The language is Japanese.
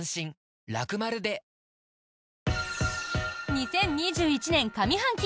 ２０２１年上半期